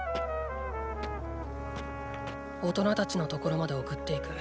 大人たちの所まで送っていく。